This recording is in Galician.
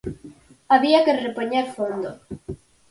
Había que repoñer fondo.